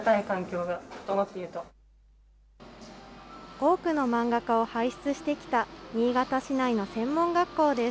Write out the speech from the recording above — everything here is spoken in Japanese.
多くの漫画家を輩出してきた新潟市内の専門学校です。